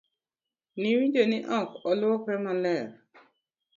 Ni winjo ni ok oluokre maler?